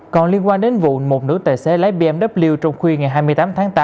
còn liên quan đến vụ một nữ tài xế lái bmw trong khuya ngày hai mươi tám tháng tám